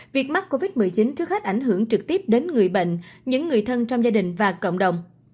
việc mắc covid một mươi chín trước hết ảnh hưởng trực tiếp đến người bệnh những người thân trong gia đình và cộng đồng